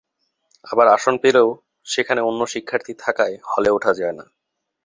আবার আসন পেলেও সেখানে অন্য শিক্ষার্থী থাকায় হলে ওঠা যায় না।